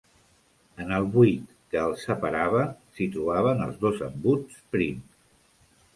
En el buit que els separava s'hi trobaven els dos embuts prims.